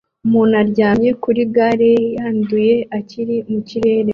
Umuntu aryamye kuri gare ye yanduye akiri mu kirere